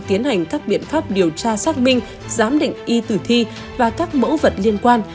tiến hành các biện pháp điều tra xác minh giám định y tử thi và các mẫu vật liên quan